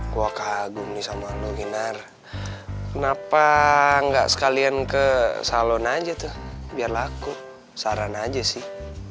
gue kagum nih sama anu ginar kenapa nggak sekalian ke salon aja tuh biar laku saran aja sih